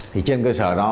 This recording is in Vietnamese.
thì trên cơ sở đó